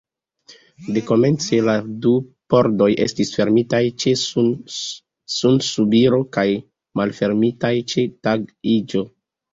Dekomence la du pordoj estis fermitaj ĉe sunsubiro kaj malfermitaj ĉe tagiĝo.